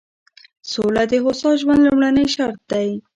سوله د هوسا ژوند لومړنی شرط دی.